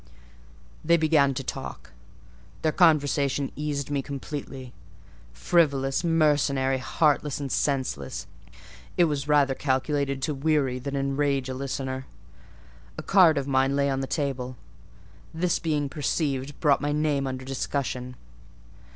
"They began to talk; their conversation eased me completely: frivolous, mercenary, heartless, and senseless, it was rather calculated to weary than enrage a listener. A card of mine lay on the table; this being perceived, brought my name under discussion.